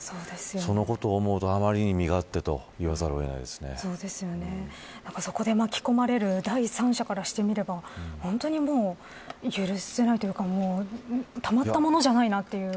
そのことを思うとあまりに身勝手といわざるをそこで巻き込まれる第三者からしてみれば本当にも許さないというかたまったものじゃないなという。